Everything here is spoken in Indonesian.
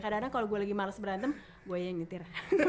karena kalau gue lagi males berantem gue yang nyetir